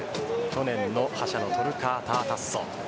去年の覇者のトルカータータッソ。